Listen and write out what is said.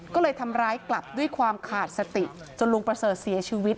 ก็เลยทำร้ายกลับด้วยความขาดสติจนลุงประเสริฐเสียชีวิต